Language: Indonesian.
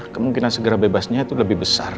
kemungkinan segera bebasnya itu lebih besar